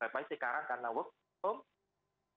tapi sekarang karena work from